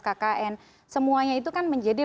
kkn semuanya itu kan menjadi